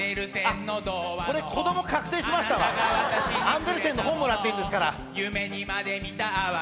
アンデルセンの本もらってんですから。